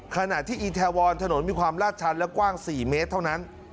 ขณะที่อีแทวอนถนนมีความลาดชันและกว้าง๔เมตรเท่านั้น